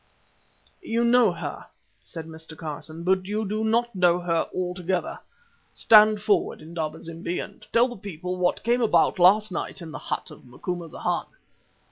"You know her," said Mr. Carson, "but you do not know her altogether. Stand forward, Indaba zimbi, and tell the people what came about last night in the hut of Macumazahn."